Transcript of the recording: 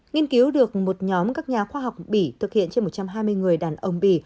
nghiên cứu được một nhóm các nhà khoa học bỉ thực hiện trên một trăm hai mươi người đàn ông bỉ